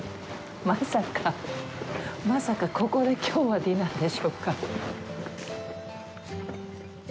まさか、まさかここで、きょうはディナーでしょうか。